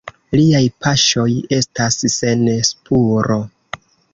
Liaj paŝoj estas sen spuro.